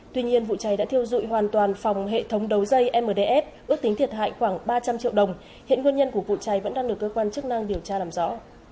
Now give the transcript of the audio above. tuy nhiên vụ cháy đã thiêu dụi hoàn toàn phòng hệ thống đấu dây mdf ước tính thiệt hại khoảng ba trăm linh triệu đồng hiện nguyên nhân của vụ cháy vẫn đang được cơ quan chức năng điều tra làm rõ